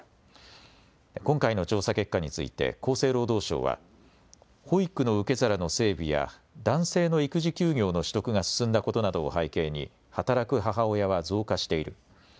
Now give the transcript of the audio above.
今回の調査結果について厚生労働省は保育の受け皿の整備や男性の育児休業の取得が進んだことなどを背景に働く母親は増加している。